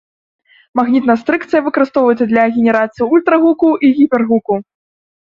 Магнітастрыкцыя выкарыстоўваецца для генерацыі ультрагуку і гіпергуку.